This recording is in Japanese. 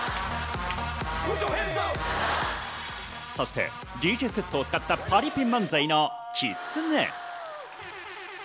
そして、ＤＪセットを作った、パリピ漫才のきつね。